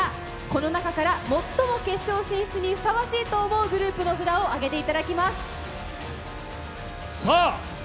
この中から最も決勝進出にふさわしいというグループの札を挙げていただきます。